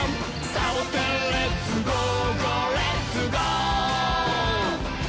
「サボテンレッツゴー！ゴーレッツゴー！」